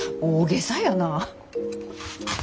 大げさやな。